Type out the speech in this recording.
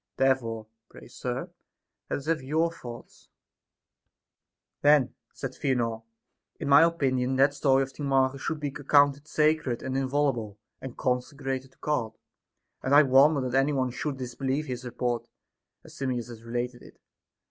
Therefore, pray sir, let us have your thoughts. 24. Then, said Theanor, in my opinion, that story of Timarchus should be accounted sacred and inviolable, and consecrated to God ; and I wonder that any one should disbelieve his report, as Simmias has related it.